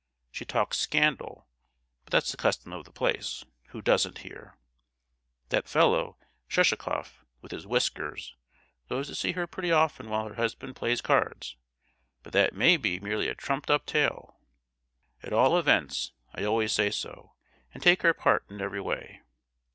She talks scandal; but that's the custom of the place—who doesn't here? That fellow, Sushikoff, with his whiskers, goes to see her pretty often while her husband plays cards, but that may be merely a trumped up tale; at all events I always say so, and take her part in every way!